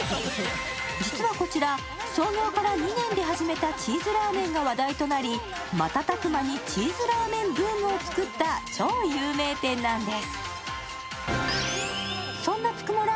実はこちら、創業から２年で始めたチーズラーメンが話題になり瞬く間にチーズラーメンブームを作った超有名店なんです。